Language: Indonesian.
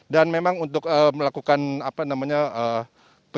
dan memang untuk melakukan penghiburan